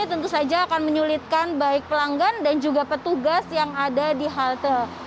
dan tentu saja akan menyulitkan baik pelanggan dan juga petugas yang ada di halte